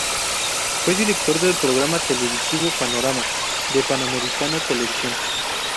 Fue director del programa televisivo "Panorama" de Panamericana Televisión.